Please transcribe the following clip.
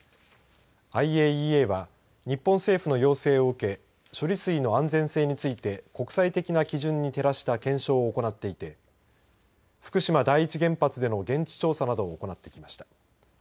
ＩＡＥＡは日本政府の要請を受け処理水の安全性について国際的な基準に照らした検証を行っていて福島第一原発での現地調査などを行ってきました。